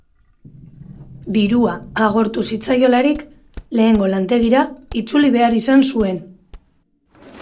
Dirua agortu zitzaiolarik, lehengo lantegira itzuli behar izan zuen.